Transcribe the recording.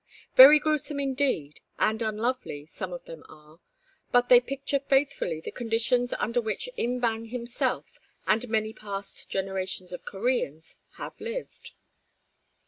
Very gruesome indeed, and unlovely, some of them are, but they picture faithfully the conditions under which Im Bang himself, and many past generations of Koreans, have lived.